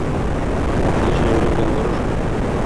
Атлы җәяүле белән ярышмый.